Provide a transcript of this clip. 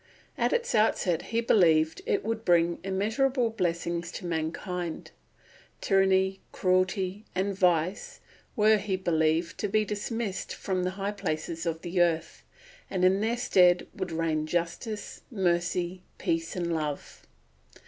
At its outset he believed it would bring immeasurable blessings to mankind; tyranny, cruelty, and vice were, he believed, to be dismissed from the high places of the earth, and in their stead would reign justice, mercy, peace, and love.